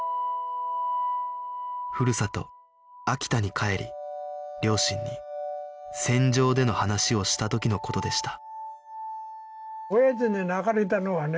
ふるさと秋田に帰り両親に戦場での話をした時の事でした